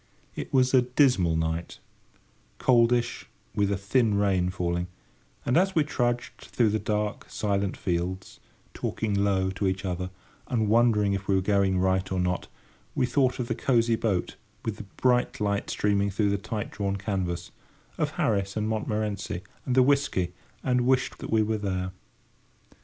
It was a dismal night, coldish, with a thin rain falling; and as we trudged through the dark, silent fields, talking low to each other, and wondering if we were going right or not, we thought of the cosy boat, with the bright light streaming through the tight drawn canvas; of Harris and Montmorency, and the whisky, and wished that we were there.